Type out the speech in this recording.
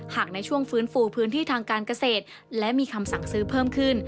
หากในช่วงฟื้นฟูพื้นที่ทางการเกษตรและมีคำสั่งซื้อเพิ่มขึ้น